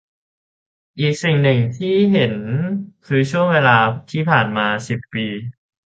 อีกสิ่งหนึ่งที่เห็นคือช่วงเวลาที่ผ่านมา สิบ ปี